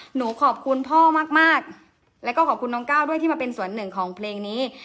หนูขอบคุณพ่อมากมากแล้วก็ขอบคุณน้องก้าวด้วยที่มาเป็นส่วนหนึ่งของเพลงนี้